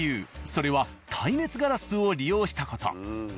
それは耐熱ガラスを利用した事。